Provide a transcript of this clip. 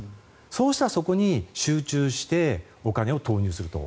そうしたらそこに集中してお金を投入すると。